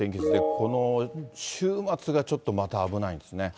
この週末がちょっとまた危ないんですね。